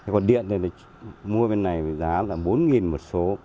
còn điện thì mua bên này giá là bốn nghìn một số